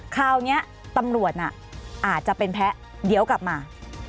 คราวนี้ตำรวจอาจจะเป็นแพ้เดี๋ยวกลับมา